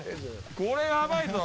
これ、やばいぞ。